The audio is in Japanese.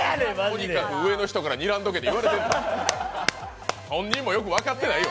とにかく上の人から「にらんどけ」って言われてる。